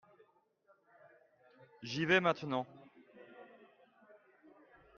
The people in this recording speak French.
J'y vais maintenant.